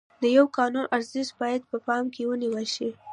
د یوه قانون ارزښت باید په پام کې ونیول شي.